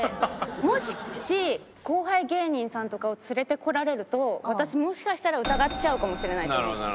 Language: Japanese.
もし後輩芸人さんとかを連れてこられると私もしかしたら疑っちゃうかもしれないと思って。